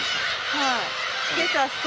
はい。